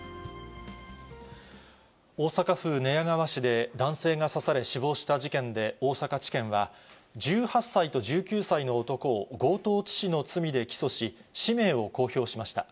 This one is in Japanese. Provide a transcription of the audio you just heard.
大阪府寝屋川市で、男性が刺され死亡した事件で、大阪地検は、１８歳と１９歳の男を強盗致死の罪で起訴し、氏名を公表しました。